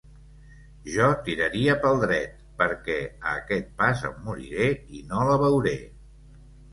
Jo tiraria pel dret perquè a aquest pas em moriré i no la veuré.